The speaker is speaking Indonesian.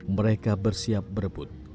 mereka bersiap berebut